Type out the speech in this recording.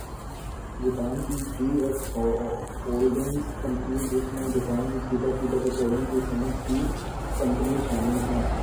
Japan کی J X holdings company جس میں جاپان کی چیدہ چیدہ پٹرولیم کی صنعت کی کمپنیز شامل ہیں